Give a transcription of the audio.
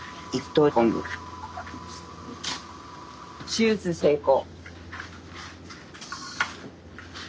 手術成功。